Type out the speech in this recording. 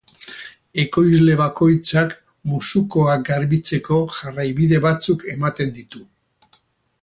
Ekoizle bakoitzak musukoak garbitzeko jarraibide batzuk ematen ditu.